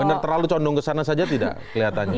benar terlalu condong ke sana saja tidak kelihatannya